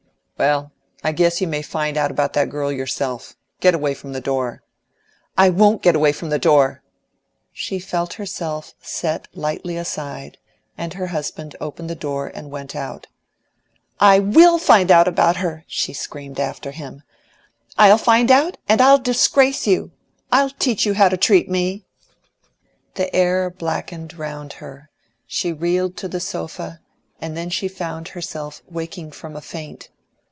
"Well, I guess you may find out about that girl yourself. Get away from the door." "I won't get away from the door." She felt herself set lightly aside, and her husband opened the door and went out. "I WILL find out about her," she screamed after him. "I'll find out, and I'll disgrace you. I'll teach you how to treat me " The air blackened round her: she reeled to the sofa and then she found herself waking from a faint.